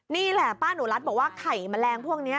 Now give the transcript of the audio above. นี่แหละป้าหนูรัฐบอกว่าไข่แมลงพวกนี้